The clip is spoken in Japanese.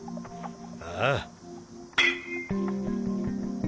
ああ。